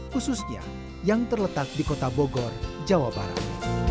khususnya yang terletak di kota bogor jawa barat